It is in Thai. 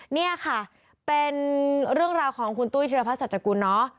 นี่ค่ะเป็นเรื่องราวของคุณตุ้ยธิรพัฒกุลเนาะ